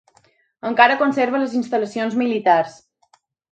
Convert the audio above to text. Encara conserva les instal·lacions militars.